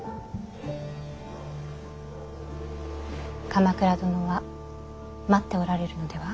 鎌倉殿は待っておられるのでは？